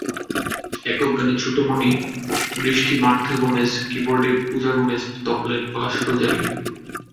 একক গানে ছোট্ট মণি বৃষ্টি মার্থা গোমেজ, কিবোর্ডে পূজা গোমেজ, তবলায় পলাশ রোজারিও।